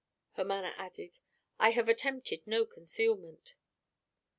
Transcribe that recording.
Her manner added: "I have attempted no concealment."